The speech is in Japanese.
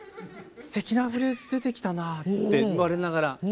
すてきなフレーズ出てきたなって我ながら。